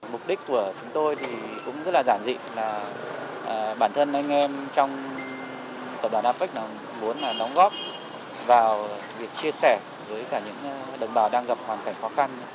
mục đích của chúng tôi thì cũng rất là giản dị là bản thân anh em trong tổng đoàn apec muốn đóng góp vào việc chia sẻ với cả những đồng bào đang gặp hoàn cảnh khó khăn